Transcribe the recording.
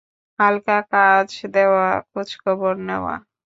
হালকা কাজ দেওয়া, খোঁজখবর নেওয়া।